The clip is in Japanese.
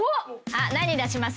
何出します？